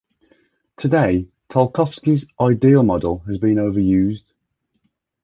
Today, Tolkowsky's "ideal" model has been overused.